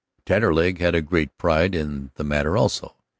Taterleg had a great pride in the matter also.